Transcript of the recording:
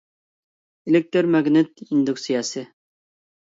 ئېلېكتىر ماگنىت ئىندۇكسىيەسى